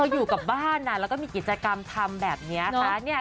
อยู่กับบ้านแล้วก็มีกิจกรรมทำแบบนี้ค่ะ